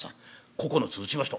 「九つ打ちました」。